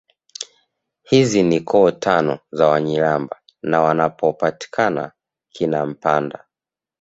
Hizi ni koo tano za Wanyiramba na wanapopatikana Kinampanda